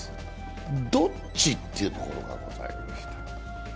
どっち？というところがございました。